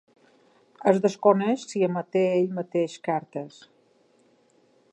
Es desconeix si emeté ell mateix cartes.